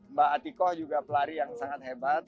mbak atikoh juga pelari yang sangat hebat